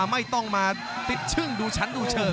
รับทราบบรรดาศักดิ์